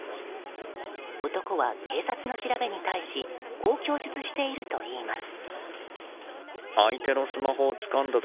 男は警察の調べに対しこう供述しているといいます。